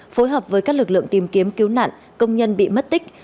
phối hợp với các lực lượng tìm kiếm cứu nạn công nhân bị mất tích